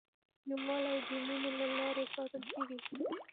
یووالی د مینې له لارې ساتل کېږي.